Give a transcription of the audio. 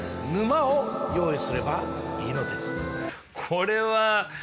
これは。